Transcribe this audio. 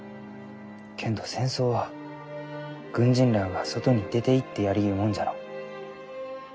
けんど戦争は軍人らあが外に出ていってやりゆうもんじゃろう？